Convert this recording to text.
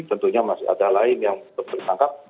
tentunya masih ada lain yang ditangkap